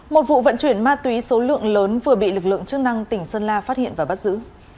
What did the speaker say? một vụ vận chuyển ma túy số lượng lớn vừa bị lực lượng chức năng tỉnh sơn la phát hiện và bắt giữ